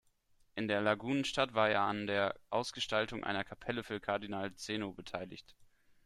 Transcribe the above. In der Lagunenstadt war er an der Ausgestaltung einer Kapelle für Kardinal Zeno beteiligt.